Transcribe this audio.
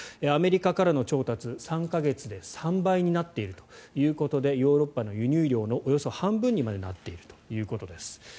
アメリカからの調達、３か月で３倍になっているということでヨーロッパの輸入量のおよそ半分にまでなっているということです。